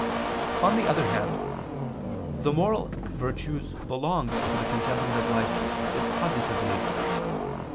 On the other hand, the moral virtues belong to the contemplative life dispositively.